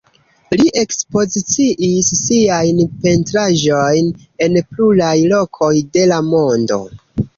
Li ekspoziciis siajn pentraĵojn en pluraj lokoj de la mondo.